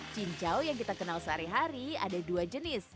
cincau yang kita kenal sehari hari ada dua jenis